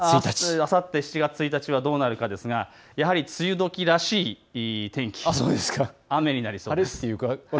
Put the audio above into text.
あさって７月１日はどうなるかといいますと、やはり梅雨どきらしい天気、雨になりそうです。